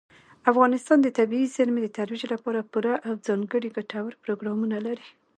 افغانستان د طبیعي زیرمې د ترویج لپاره پوره او ځانګړي ګټور پروګرامونه لري.